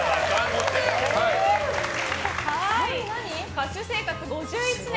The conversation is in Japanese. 歌手生活５１年！